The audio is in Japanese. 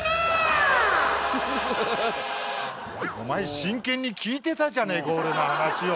お前真剣に聞いてたじゃねえか俺の話を。